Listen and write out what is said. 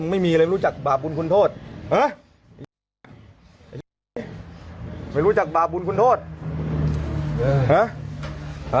ไม่มีอะไรรู้จักบาปบุญคุณโทษฮะไม่รู้จักบาปบุญคุณโทษ